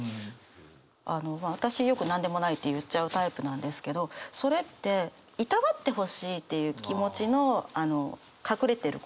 あの私よくなんでもないって言っちゃうタイプなんですけどそれっていたわって欲しいっていう気持ちの隠れてる言葉。